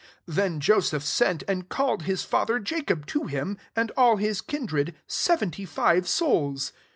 14 Then Joseph sent, and called his fa ther [Jacob] to himi and all hi9 kindred, seventy five souls.